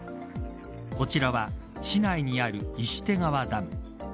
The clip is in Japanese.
こちらは、市内にある石手川ダム。